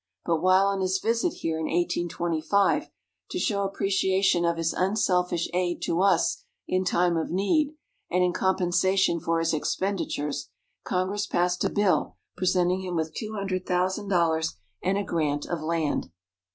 But while on his visit here in 1825, to show appreciation of his unselfish aid to us in time of need, and in compensation for his expenditures, Congress passed a bill presenting him with two hundred thousand dollars and a grant of land.